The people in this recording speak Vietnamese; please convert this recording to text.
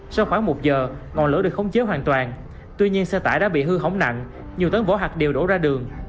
sau khoảng một giờ ngọn lửa được khống chế hoàn toàn tuy nhiên xe tải đã bị hư hỏng nặng nhiều tấn vỏ hạt đều đổ ra đường